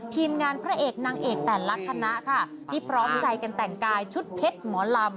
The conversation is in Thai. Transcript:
ที่พร้อมใจกันแต่งกายชุดเพชรหมอลำ